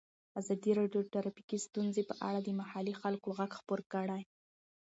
ازادي راډیو د ټرافیکي ستونزې په اړه د محلي خلکو غږ خپور کړی.